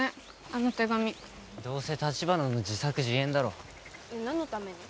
あの手紙どうせ立花の自作自演だろ何のために？